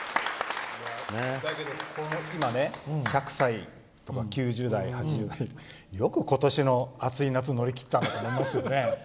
今、１００歳とか９０代、８０代よく今年の暑い夏を乗り切ったなと思いますよね。